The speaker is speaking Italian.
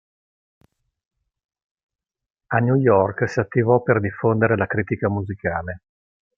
A New York si attivò per diffondere la critica musicale.